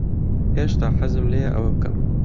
هێشتا حەزم لێیە ئەوە بکەم.